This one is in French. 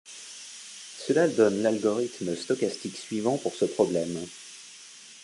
Cela donne l'algorithme stochastique suivant pour ce problème.